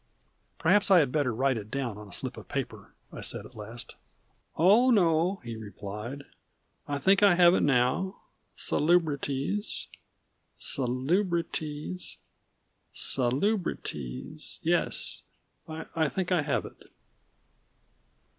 "Perhaps I had better write it down on a slip of paper," I said at the last. "Oh, no," he replied. "I think I have it now Salubrities, Salubrities, Salubrities yes I I think I have it."